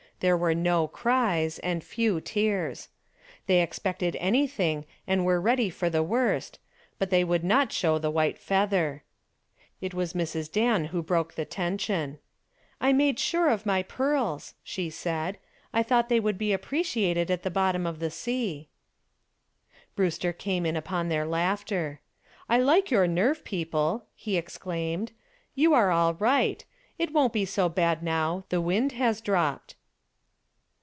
There were no cries and few tears. They expected anything and were ready for the worst, but they would not show the white feather. It was Mrs. Dan who broke the tension. "I made sure of my pearls," she said; "I thought they would be appreciated at the bottom of the sea." Brewster came in upon their laughter. "I like your nerve, people," he exclaimed, "you are all right. It won't be so bad now. The wind has dropped."